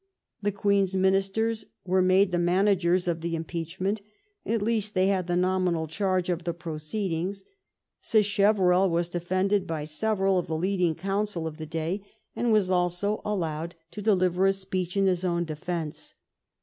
The Queen's min isters were made the managers of the impeachment, at least they had the nominal charge of the proceed ings. Sacheverell was defended by several of the lead ing counsel of the day, and he was also allowed to 302 8ACHEYEBELL deliver a speech in his own defence.